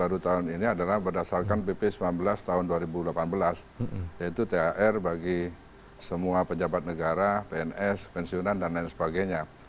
baru tahun ini adalah berdasarkan pp sembilan belas tahun dua ribu delapan belas yaitu thr bagi semua pejabat negara pns pensiunan dan lain sebagainya